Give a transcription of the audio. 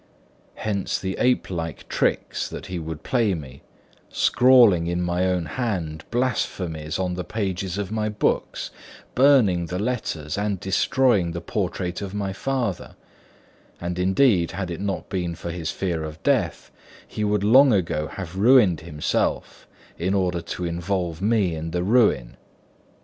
Hence the ape like tricks that he would play me, scrawling in my own hand blasphemies on the pages of my books, burning the letters and destroying the portrait of my father; and indeed, had it not been for his fear of death, he would long ago have ruined himself in order to involve me in the ruin.